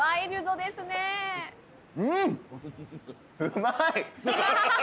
うまい。